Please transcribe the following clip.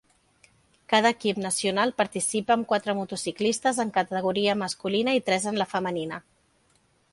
Cada equip nacional participa amb quatre motociclistes en categoria masculina i tres en la femenina.